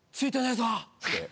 え？